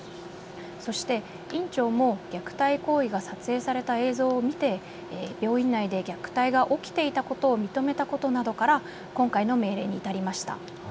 そして、院長も虐待行為が撮影された映像を見て病院内で虐待が起きていたことを認めたことなどから今回の命令に至りました。